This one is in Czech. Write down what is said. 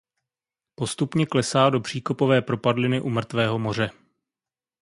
Postupně klesá do příkopové propadliny u Mrtvého moře.